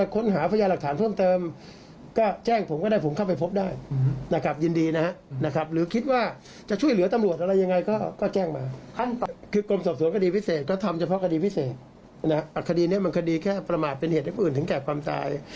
คดีนี้มันคดีแค่ประมาทเป็นเหตุอื่นถึงแก่ความตาย